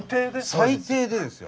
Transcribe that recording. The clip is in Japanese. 最低でですよ。